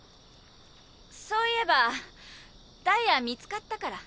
そういえばダイヤは見つかったから。